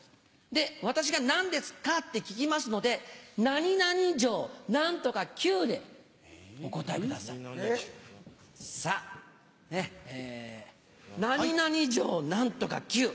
で、私がなんですか？って聞きますので、何々じょう、なんとかきゅうで、お答えください。さあ、何々じょうなんとかきゅう。